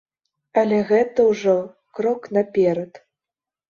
Але гэта ўжо крок наперад.